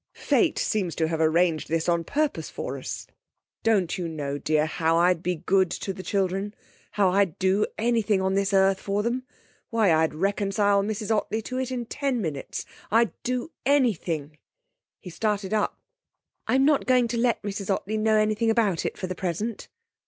Fate seems to have arranged this on purpose for us don't you know, dear, how I'd be good to the children? How I'd do anything on this earth for them? Why, I'd reconcile Mrs Ottley to it in ten minutes; I'd do anything!' He started up. 'I'm not going to let Mrs Ottley know anything about it for the present.'